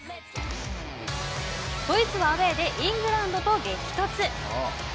ドイツはアウェーでイングランドと激突！